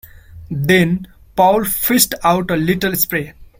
Then Paul fished out a little spray.